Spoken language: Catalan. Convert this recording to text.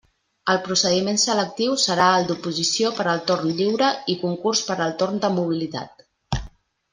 El procediment selectiu serà el d'oposició per al torn lliure i concurs per al torn de mobilitat.